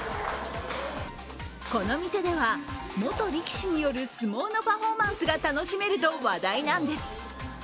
この店では元力士による相撲のパフォーマンスが楽しめると話題なんです。